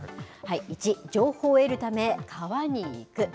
１、情報を得るため、川に行く。